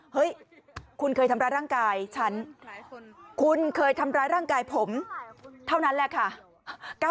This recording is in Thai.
เฮ้ยคุณเคยทำร้ายร่างกายฉันคุณเคยทำร้ายร่างกายผมเท่านั้นแหละค่ะ